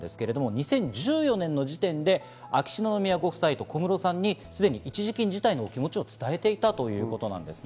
２０１４年の時点で秋篠宮ご夫妻と小室さんにすでに一時金ご辞退のお気持ちを伝えていたということなんです。